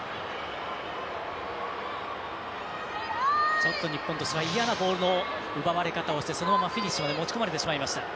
ちょっと日本としてはいやなボールの奪われ方をしてそのままフィニッシュまで持ち込まれてしまいました。